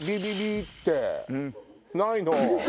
ないの？